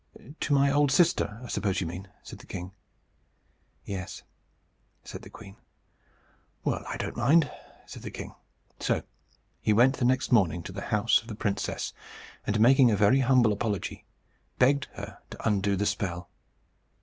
"To my old sister, I suppose you mean?" said the king. "Yes," said the queen. "Well, I don't mind," said the king. So he went the next morning to the house of the princess, and, making a very humble apology, begged her to undo the spell.